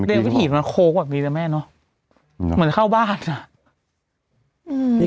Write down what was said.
วิถีมันโค้กแบบนี้นะแม่เนอะเหมือนเข้าบ้านอ่ะอืม